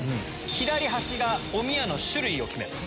左端がおみやの種類を決めます。